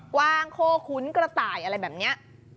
วางโคขุนกระต่ายอะไรแบบนี้